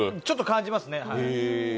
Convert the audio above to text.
ちょっと感じますね。